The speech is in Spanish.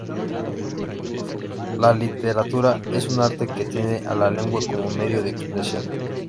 La literatura es un arte que tiene a la lengua como medio de expresión.